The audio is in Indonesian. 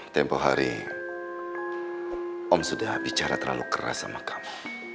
tempoh hari om sudah bicara terlalu keras sama kamu